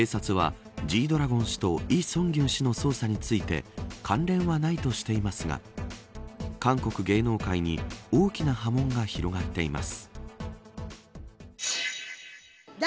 警察はＧ‐ＤＲＡＧＯＮ氏とイ・ソンギュン氏の捜査について関連はないとしていますが韓国芸能界に大きな波紋が広がっています。